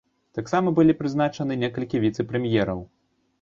Таксама былі прызначаны некалькі віцэ-прэм'ераў.